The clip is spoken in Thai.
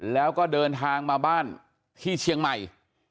แล้วก็เดินทางมาบ้านที่เชียงใหม่